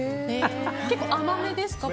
結構、甘めですか？